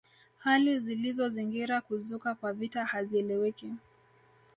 Hali zilizozingira kuzuka kwa vita hazieleweki